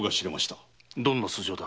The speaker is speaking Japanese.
どんな素性だ？